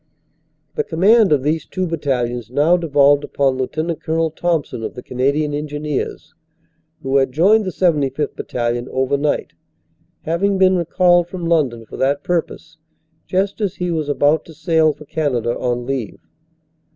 The command of these two battalions now devolved upon Lt. Col. Thompson, of the Canadian Engineers, who had joined the 75th. Battalion over night, having been recalled from London for that purpose just as he was about to sail for Canada on leave.